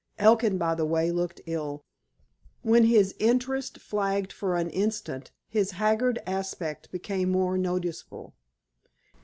Elkin, by the way, looked ill. When his interest flagged for an instant his haggard aspect became more noticeable.